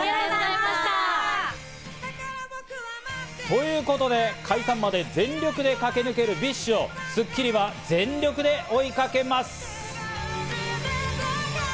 ということで解散まで全力で駆け抜けるＢｉＳＨを『スッキリ』は全力で追いかけます。